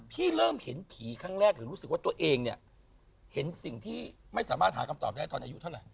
เริ่มเห็นผีครั้งแรกหรือรู้สึกว่าตัวเองเนี่ยเห็นสิ่งที่ไม่สามารถหาคำตอบได้ตอนอายุเท่าไหร